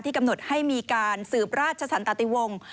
กำหนดให้มีการสืบราชสันตติวงศ์